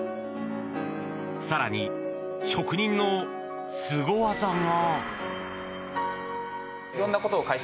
更に、職人のスゴ技が。